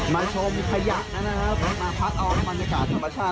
มาชมขยะนะครับรถมาพัดเอาน้ำบรรยากาศธรรมชาติ